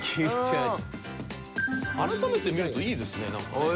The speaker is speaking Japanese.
改めて見るといいですねなんかね。